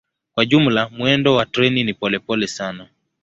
Kwa jumla mwendo wa treni ni polepole sana.